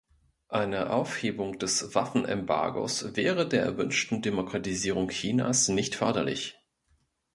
Eine Aufhebung des Waffenembargos wäre der erwünschten Demokratisierung Chinas nicht förderlich.